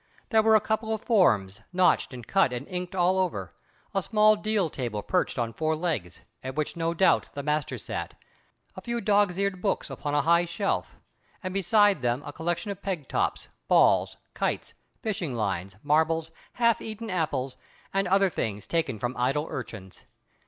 There were a couple of forms, notched and cut and inked all over; a small deal desk perched on four legs, at which no doubt the master sat; a few dog's eared books upon a high shelf; and beside them a collection of peg tops, balls, kites, fishing lines, marbles, half eaten apples, and other things taken from idle urchins.